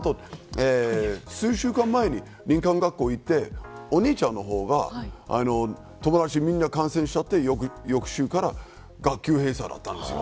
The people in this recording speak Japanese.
その後、数週間前に林間学校行ってお兄ちゃんのほうが友達みんな感染しちゃって翌週から学級閉鎖だったんです。